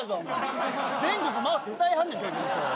全国回って歌いはんねん巨人師匠は。